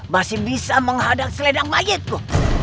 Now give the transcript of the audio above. masih bisa menghadang selendang mayatku